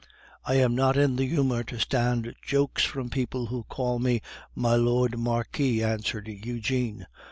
"I am not in the humor to stand jokes from people who call me 'my lord Marquis,'" answered Eugene.